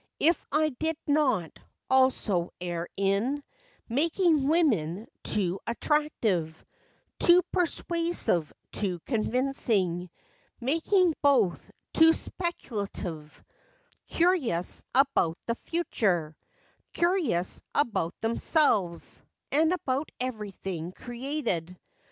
If I did not, also, err in Making women too attractive, Too persuasive, too convincing; Making both too speculative, Curious about the future, Curious about themselves, and About every thing created?